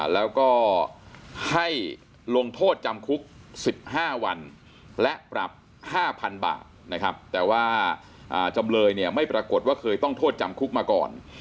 แล้วก็ให้ลงโทษจำคุก๑๕วันและปรับ๕๐๐๐บาทนะครับแต่ว่าจำเลยเนี่ยไม่ปรากฏว่าเคยต้องโทษจำคุกมาก่อน